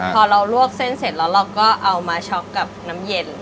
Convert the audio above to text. พอเราลวกเส้นเสร็จแล้วเราก็เอามาช็อกกับน้ำเย็น